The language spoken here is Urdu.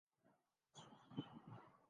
بیشک واجبی سہی۔